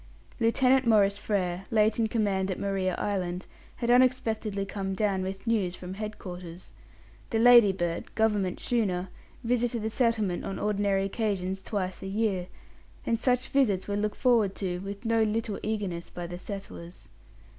Lieutenant Maurice Frere, late in command at Maria Island, had unexpectedly come down with news from head quarters. The Ladybird, Government schooner, visited the settlement on ordinary occasions twice a year, and such visits were looked forward to with no little eagerness by the settlers.